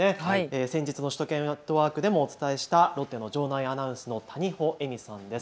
先日の首都圏ネットワークでもお伝えしたロッテの場内アナウンスの谷保恵美さんです。